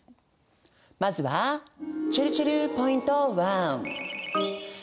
まずはちぇるちぇるポイント